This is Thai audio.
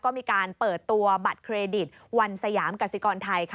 ก็มีการเปิดตัวบัตรเครดิตวันสยามกสิกรไทย